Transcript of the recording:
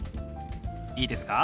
いいですか？